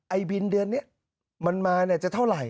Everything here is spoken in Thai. ไอบินเดือนนี้มันมาเนี่ยจะเท่าไหร่